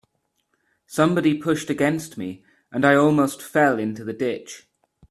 Somebody pushed against me, and I almost fell into the ditch.